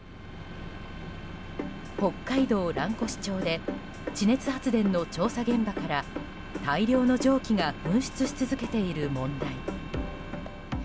北海道蘭越町で地熱発電の調査現場から大量の蒸気が噴出し続けている問題。